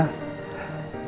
mbak ii kangen banget sama reina